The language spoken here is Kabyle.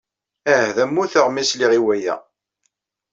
Ahda mmuteɣ mi sliɣ i waya.